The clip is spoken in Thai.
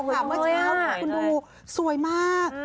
เมื่อเช้าคุณดูสวยมาก